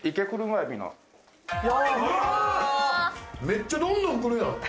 めっちゃどんどん来るやん。